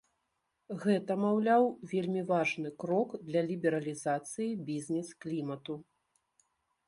Гэта, маўляў, вельмі важны крок для лібералізацыі бізнес-клімату.